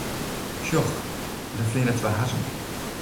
Sjoch, dêr fleane twa hazzen.